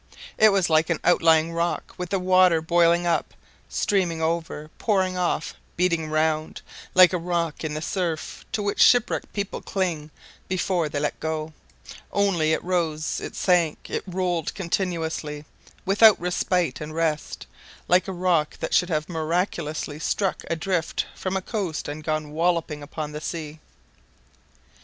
It was like an outlying rock with the water boiling up, streaming over, pouring off, beating round like a rock in the surf to which shipwrecked people cling before they let go only it rose, it sank, it rolled continuously, without respite and rest, like a rock that should have miraculously struck adrift from a coast and gone wallowing upon the sea.